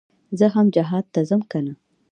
زه هم جهاد ته ځم كنه.